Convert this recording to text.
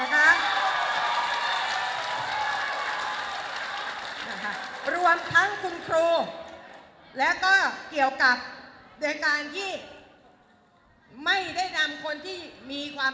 รวมทั้งคุณครูแล้วก็เกี่ยวกับโดยการที่ไม่ได้นำคนที่มีความ